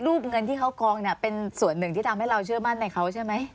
เงินที่เขากองเนี่ยเป็นส่วนหนึ่งที่ทำให้เราเชื่อมั่นในเขาใช่ไหม